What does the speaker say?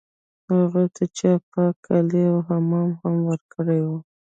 هغه ته چا پاک کالي او حمام هم ورکړی و